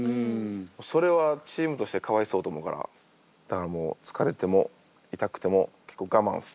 それはチームとしてかわいそうと思うからだからもう疲れても痛くても結構がまんです。